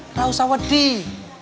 tidak usah berhati hati